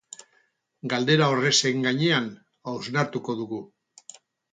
Galdera horrexen gainean hausnartuko dugu.